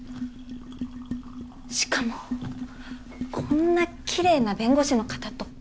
しかもこんなきれいな弁護士の方と。